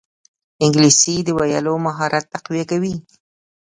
انګلیسي د ویلو مهارت تقویه کوي